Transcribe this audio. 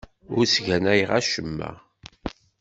Ur ssganayeɣ acemma.